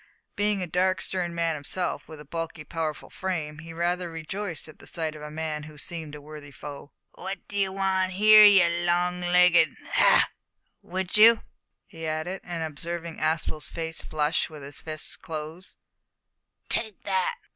Being a dark, stern man himself, with a bulky powerful frame, he rather rejoiced in the sight of a man who seemed a worthy foe. "What d'ee wan' here, you long legged hah! would you?" he added, on observing Aspel's face flush and his fists close, "Take that!"